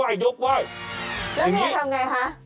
แล้วเมียทำอย่างไรครับ